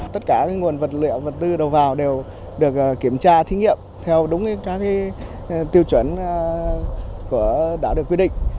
tất cả nguồn vật liệu vật tư đầu vào đều được kiểm tra thí nghiệm theo đúng các tiêu chuẩn đã được quy định